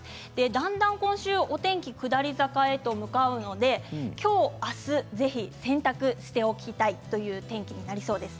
だんだんお天気下り坂へと向かうので今日、明日ぜひ洗濯しておきたいという天気になりそうです。